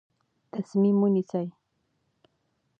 تصمیم ونیسئ.